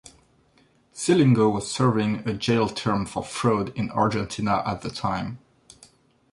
Scilingo was serving a jail term for fraud in Argentina at the time.